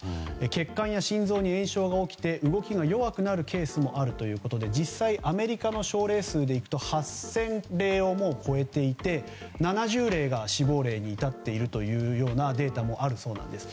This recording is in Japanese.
血管や心臓に炎症が起きて動きが弱くなるケースもあるということで実際、アメリカの症例数でいくと８０００例を超えていて７０例が死亡例に至っているというようなデーもあるそうなんです。